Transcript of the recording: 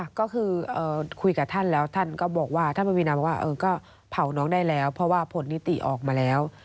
ก็คือคุยกับท่านแล้วท่านก็บอกว่าท่านประวินาบอกว่าก็เผาน้องได้แล้วเพราะว่าผลนิติออกมาแล้ว